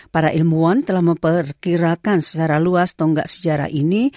para ilmuwan telah memperkirakan secara luas tonggak sejarah ini